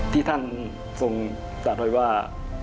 ที่ท่านทรงจากน้อยว่า